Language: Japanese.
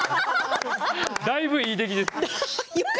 だいぶいい出来です。